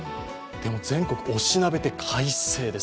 でも全国おしなべて快晴です。